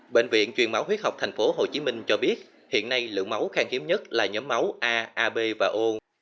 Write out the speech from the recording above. bệnh viện truyền máu huyết học tp hcm cho biết hiện nay lượng máu khang hiếm nhất là nhóm máu a ab và o